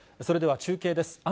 それでは中継です。